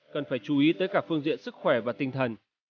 cần phải chú ý tới cả phương diện sức khỏe và tinh thần